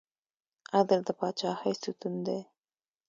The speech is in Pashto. عدل د پاچاهۍ ستون دی